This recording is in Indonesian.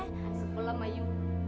saya sebelah kamu